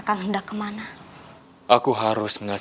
lalu langsung diséverkan dari perchus